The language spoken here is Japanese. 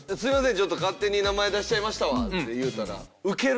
ちょっと勝手に名前出しちゃいましたわって言うたら。